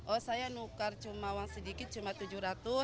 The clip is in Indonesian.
oh saya nukar cuma uang sedikit cuma rp tujuh ratus